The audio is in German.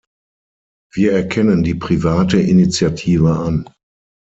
Wir erkennen die private Initiative an.